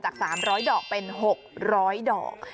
จาก๓๐๐ดอกเป็น๖๐๐ดอก